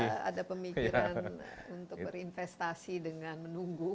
ada pemikiran untuk berinvestasi dengan menunggu